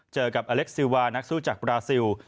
เจอกับอเล็กซิลวานักสู้จากบราซิล